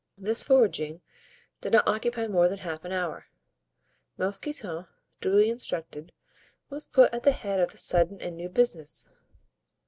This foraging did not occupy more than half an hour. Mousqueton, duly instructed, was put at the head of this sudden and new business.